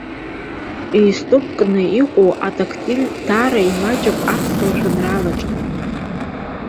Ҩ-стопкны иҟоу адактиль даара имаҷуп аԥсуа жәеинраалаҿы.